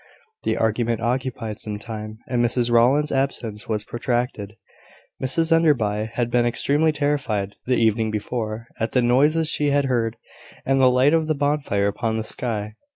The argument occupied some time, and Mrs Rowland's absence was protracted. Mrs Enderby had been extremely terrified, the evening before, at the noises she had heard, and the light of the bonfire upon the sky.